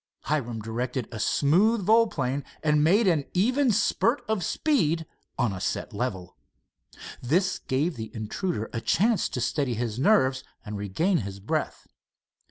Hiram directed a smooth volplane and made an even spurt of speed on a set level. This gave the intruder a chance to steady his nerves and regain his breath.